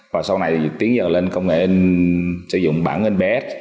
và sau này tiến dần lên công nghệ in sử dụng bản in bs